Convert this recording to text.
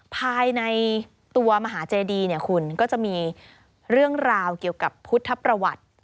ภายในตัวมหาเจดีเนี่ยคุณก็จะมีเรื่องราวเกี่ยวกับพุทธประวัติ